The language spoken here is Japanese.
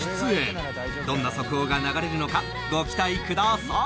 ［どんな速報が流れるのかご期待ください］